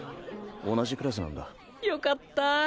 同じクラスなんだ。良かった。